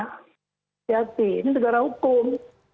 hati hati ini negara hukum